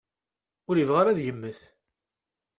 Ur yebɣi ara ad yemmet.